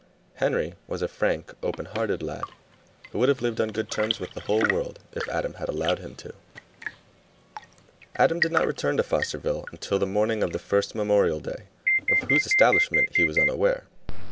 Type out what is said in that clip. Henry was a frank, open hearted lad who would have lived on good terms with the whole world if Adam had allowed him to. Adam did not return to Fosterville until the morning of the first Memorial Day, of whose establishment he was unaware.